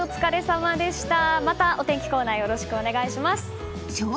また、お天気コーナーよろしくお願いします。